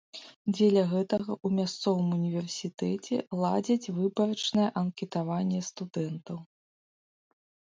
Дзеля гэтага ў мясцовым універсітэце ладзяць выбарачнае анкетаванне студэнтаў.